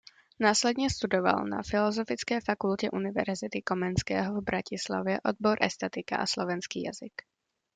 Následně studoval na Filozofické fakultě Univerzity Komenského v Bratislavě obor estetika a slovenský jazyk.